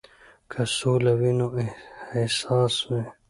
که سوله وي نو حساس وي.